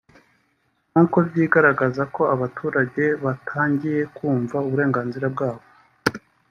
nk’uko byigaragaza ko abaturage batangiye kumva uburenganzira bwabo